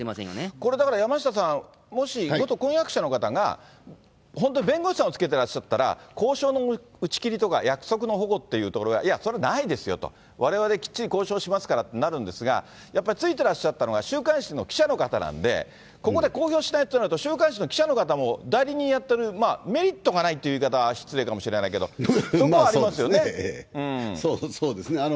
これだから、山下さん、もし元婚約者の方が、本当に、弁護士さんをつけてらっしゃったならば、交渉の打ち切りとか約束のほごっていうところが、いや、それはないですよと、われわれきっちり交渉しますからとなるんですが、やっぱり、ついてらっしゃったのが、週刊誌の記者の方なんで、ここで公表しないってなると、週刊誌の記者の方も、代理人やってるメリットがないっていう言い方は失礼かもしれないそう、そうですね。